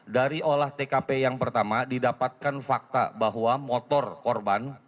dari olah tkp yang pertama didapatkan fakta bahwa motor korban